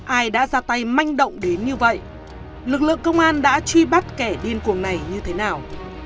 ai đã ra tay manh động đến như vậy lực lượng công an đã truy bắt kẻ điên cuồng này như thế nào